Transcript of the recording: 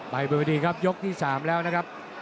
ไปบนวิธีครับยกที่๓แล้วนะครับ